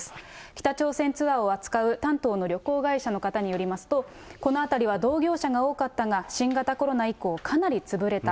北朝鮮ツアーを扱う丹東の旅行会社の方によりますと、この辺りは同業者が多かったが、新型コロナ以降、かなり潰れた。